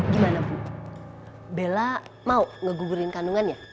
gimana bu bella mau ngegugurin kandungannya